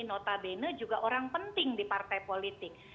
notabene juga orang penting di partai politik